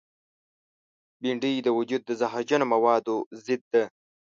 بېنډۍ د وجود د زهرجنو موادو ضد ده